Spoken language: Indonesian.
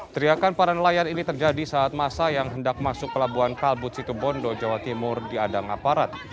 teriakan para nelayan ini terjadi saat masa yang hendak masuk pelabuhan kalbut situbondo jawa timur di adang aparat